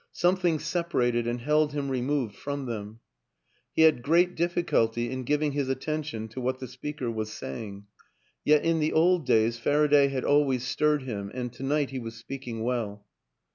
Something separated and held him removed from them. ... He had great difficulty in giving his attention to what the speaker was saying; yet in the old days Faraday had always stirred him and to night he was speaking well.